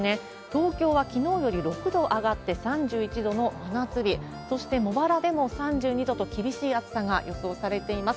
東京はきのうより６度上がって３１度の真夏日、そして茂原でも３２度と、厳しい暑さが予想されています。